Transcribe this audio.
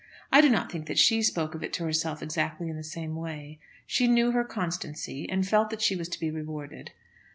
I do not think that she spoke of it to herself exactly in the same way. She knew her own constancy, and felt that she was to be rewarded.